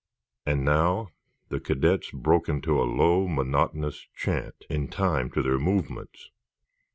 And now the cadets broke into a low, monotonous chant, in time to their movements.